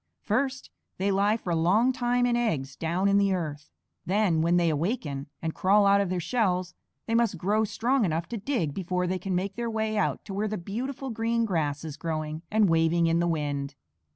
First, they lie for a long time in eggs, down in the earth. Then, when they awaken, and crawl out of their shells, they must grow strong enough to dig before they can make their way out to where the beautiful green grass is growing and waving in the wind.